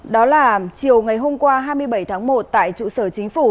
đó là chiều ngày hôm qua hai mươi bảy tháng một tại trụ sở chính phủ